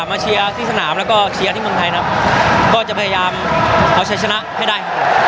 เชียร์ที่สนามแล้วก็เชียร์ที่เมืองไทยนะครับก็จะพยายามเอาใช้ชนะให้ได้ครับ